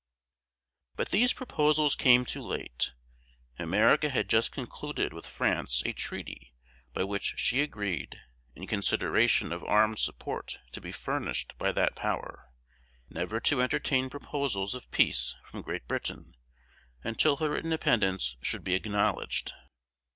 But these proposals came too late. America had just concluded with France a treaty by which she agreed, in consideration of armed support to be furnished by that power, never to entertain proposals of peace from Great Britain until her independence should be acknowledged.